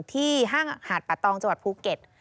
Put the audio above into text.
ห้างหาดปะตองจังหวัดภูเก็ต